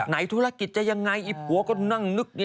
ธุรกิจจะยังไงอีผัวก็นั่งนึก